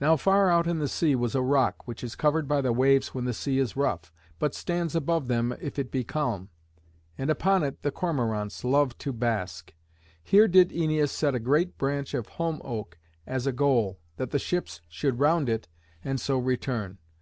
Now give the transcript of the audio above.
Now far out in the sea was a rock, which is covered by the waves when the sea is rough, but stands above them if it be calm, and upon it the cormorants love to bask. Here did Æneas set a great branch of holm oak as a goal, that the ships should round it and so return.